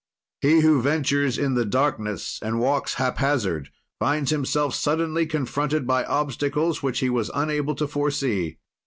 "He who ventures in the darkness and walks haphazard, finds himself suddenly confronted by obstacles which he was unable to foresee.